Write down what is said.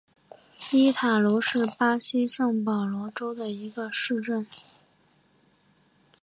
伊塔茹是巴西圣保罗州的一个市镇。